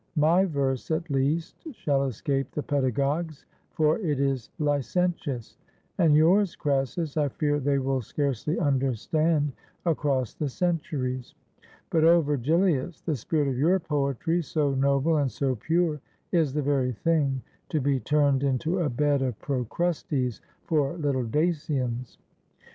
My verse at least shall escape the pedagogues, for it is licentious; and yours, Crassus, I fear they will scarcely understand across the centuries. But, O, Ver gilius, the spirit of your poetry, so noble and so pure, is the very thing to be turned into a bed of Procrustes for Kttle Dacians!"